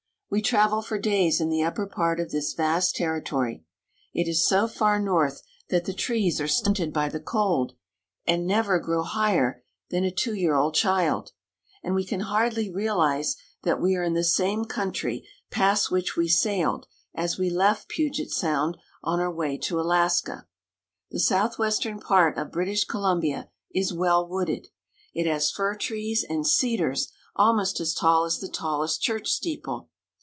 We travel for days in the upper part of this vast terri tory. It is so far north that the trees are stunted by the cold and never grow higher than a two year old child ; and we can hardly realize that we are in the same country past which we sailed as we left Puget Sound on our way to Alaska. The southwestern part of British Columbia is well wooded. It has fir trees and cedars almost as tall as the tallest church steeple.